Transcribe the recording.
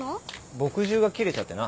墨汁が切れちゃってな。